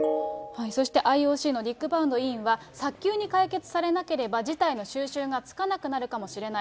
そしてＩＯＣのディック・パウンド委員は早急に解決されなければ、事態の収拾がつかなくなるかもしれない。